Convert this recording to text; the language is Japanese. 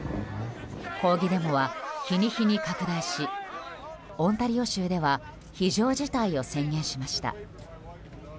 抗議デモは日に日に拡大しオンタリオ州では非常事態を宣言しました。